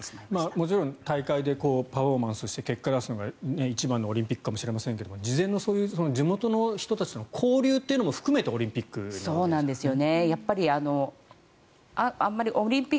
もちろん大会でパフォーマンスをして結果を出すのが一番のオリンピックかもしれませんが事前の地元の人たちの交流も含めてオリンピックなわけですよね。